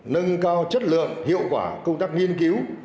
nâng cao chất lượng hiệu quả công tác nghiên cứu